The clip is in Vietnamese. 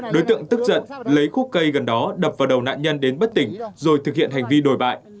đối tượng tức giận lấy khúc cây gần đó đập vào đầu nạn nhân đến bất tỉnh rồi thực hiện hành vi đồi bại